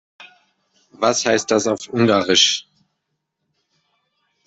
Was heißt das auf Ungarisch?